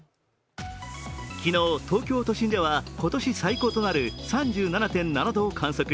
昨日、東京都心では今年最高となる３７．７度を観測。